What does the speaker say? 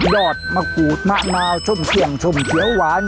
อดมะกรูดมะนาวส้มเสี่ยงส้มเขียวหวาน